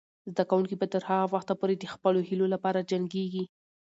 زده کوونکې به تر هغه وخته پورې د خپلو هیلو لپاره جنګیږي.